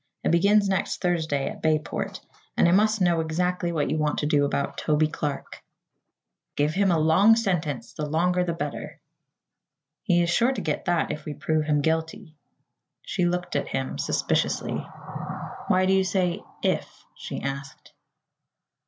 "It begins next Thursday, at Bayport, and I must know exactly what you want to do about Toby Clark." "Give him a long sentence the longer the better." "He is sure to get that if we prove him guilty." She looked at him suspiciously. "Why do you say 'if'?" she asked.